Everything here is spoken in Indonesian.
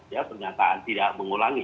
ya pernyataan tidak mengulangi